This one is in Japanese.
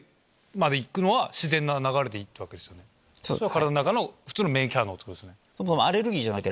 体の中の普通の免疫反応ってことですね。